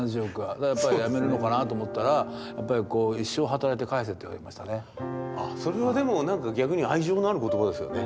だからやっぱり辞めるのかなと思ったらそれはでも何か逆に愛情のある言葉ですよね。